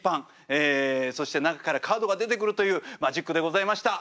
ええそして中からカードが出てくるというマジックでございました。